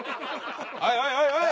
おいおいおいおい！